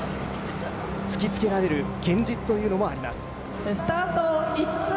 突きつけられる現実というのもあります。